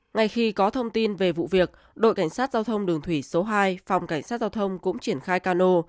ngay khi có thông tin về vụ việc đội cảnh sát giao thông đường thủy số hai phòng cảnh sát giao thông cũng triển khai cano